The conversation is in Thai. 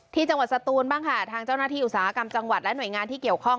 จังหวัดสตูนบ้างค่ะทางเจ้าหน้าที่อุตสาหกรรมจังหวัดและหน่วยงานที่เกี่ยวข้อง